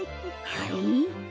はい？